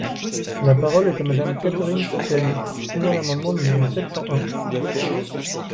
La parole est à Madame Catherine Coutelle, pour soutenir l’amendement n° sept cent un.